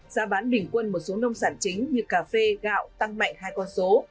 giá bán bình quân một số nông sản chính như cà phê gạo tăng mạnh hai con số